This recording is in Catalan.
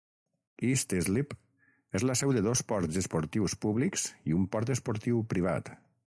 East Islip és la seu de dos ports esportius públics i un port esportiu privat.